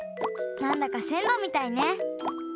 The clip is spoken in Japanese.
なんだかせんろみたいね。